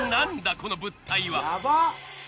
この物体は！？